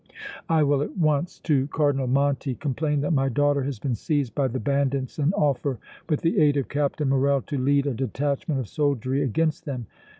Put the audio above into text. I will at once to Cardinal Monti, complain that my daughter has been seized by the bandits and offer with the aid of Captain Morrel to lead a detachment of soldiery against them.